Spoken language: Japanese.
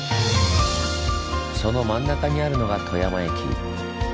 その真ん中にあるのが富山駅。